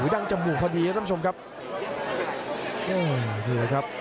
ดั่งจมูกพอดีครับท่านผู้ชมครับ